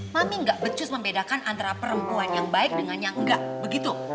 mami nggak becus membedakan antara perempuan yang baik dengan yang enggak begitu